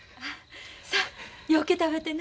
さあようけ食べてね。